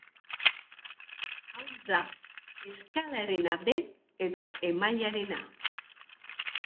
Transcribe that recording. Hau da, eskalearena den edo emailearena.